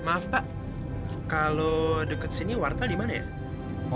maaf pak kalau dekat sini wartel di mana ya